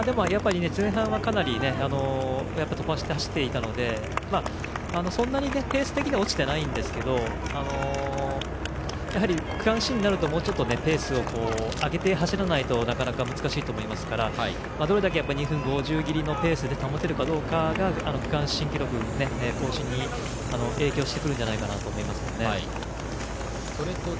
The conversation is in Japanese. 前半はかなり飛ばして走っていたのでそんなにペース的には落ちていませんが区間新になるともうちょっとペースを上げて走らないとなかなか難しいと思いますからどれだけ２０分５０秒切りのペースを保てるかどうかが区間新記録の更新に影響してくるんじゃないかと思います。